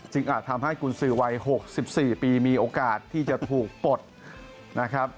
อาจทำให้กุญสือวัย๖๔ปีมีโอกาสที่จะถูกปลดนะครับ